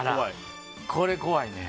これ怖いね。